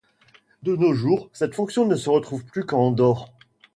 De nos jours, cette fonction ne se retrouve plus qu'en Andorre.